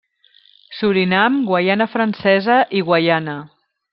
Surinam, Guaiana Francesa i Guaiana.